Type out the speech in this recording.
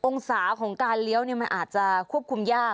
องศาของการเลี้ยวมันอาจจะควบคุมยาก